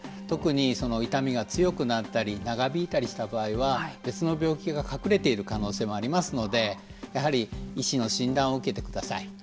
特に、痛みが強くなったり長引いたりした場合は別の病気が隠れている可能性もありますのでやはり医師の診断を受けてください。